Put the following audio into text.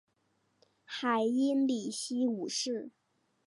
海因里希五世。